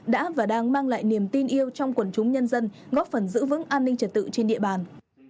đã và đang mang lại niềm tin yêu trong quần chúng nhân dân góp phần giữ vững an ninh trật tự trên địa bàn